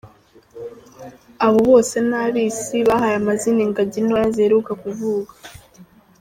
Abo bose ni abisi bahaye amazina ingagi ntoya ziheruka kuvuka.